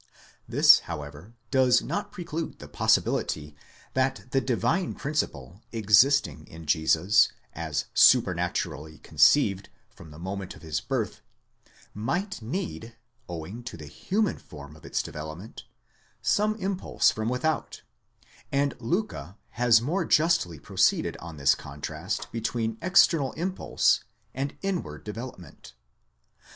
This, however, does not preclude the possibility that the divine principle, existing in Jesus, as supernaturally conceived, from the moment of his birth, might need, owing to the human form of its development, some impulse from without ; and Liicke® has more justly proceeded on this contrast between external impulse and inward development.